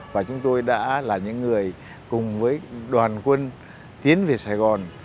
và chúng tôi đã là những người cùng với đoàn quân tiến về sài gòn